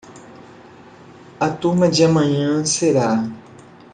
A turma de amanhã será